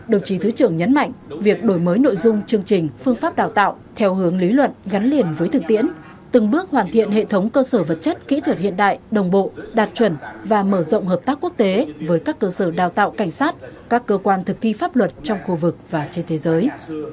đồng chí thứ trưởng nhấn mạnh việc đổi mới nội dung chương trình phương pháp đào tạo theo hướng lý luận gắn liền với thực tiễn từng bước hoàn thiện hệ thống cơ sở vật chất kỹ thuật hiện đại đồng bộ đạt chuẩn và mở rộng hợp tác quốc tế với các cơ sở đào tạo cảnh sát các cơ quan thực thi pháp luật trong khu vực và trên thế giới